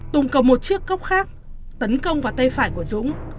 tùng cầm một chiếc cốc khác tấn công vào tay phải của dũng